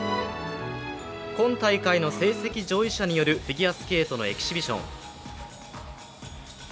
今大会の成績上位者によるフィギュアスケートのエキシビション。